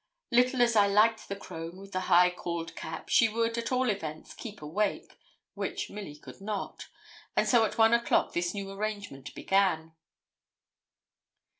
Little as I liked the crone with the high cauled cap, she would, at all events, keep awake, which Milly could not. And so at one o'clock this new arrangement began.